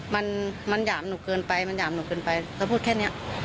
มันหย่ามหนุ่มเกินไปเขาพูดแค่แนี้ย